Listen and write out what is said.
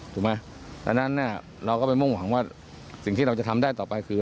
ถูกไหมดังนั้นเราก็ไปมุ่งหวังว่าสิ่งที่เราจะทำได้ต่อไปคือ